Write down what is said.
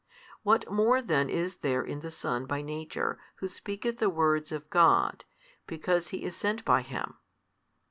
What more then is there in the Son by Nature Who speaketh the words of God, because He is sent by Him?